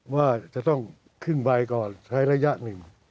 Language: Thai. ว่าจะต้องขึ้นไว้ก่อนใช้ระยะหนึ่ง